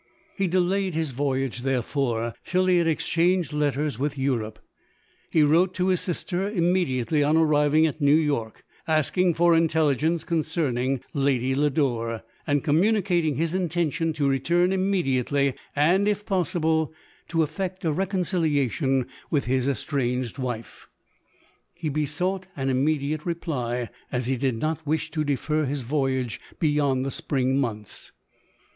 He delayed his voyage, therefore, till he had ex changed letters with Europe. He wrote to his sister, immediately on arriving at New York, asking for intelligence concerning Lady Lodore ; and communicating his intention to VOL. I. L C J18 LODORE. return immediately, and, if possible, to effect a reconciliation with bis estranged wife. He be sought an immediate reply, as be did not wish to defer his voyage beyond the spring months.